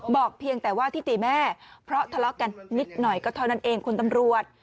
เพียงแต่ว่าที่ตีแม่เพราะทะเลาะกันนิดหน่อยก็เท่านั้นเองคุณตำรวจ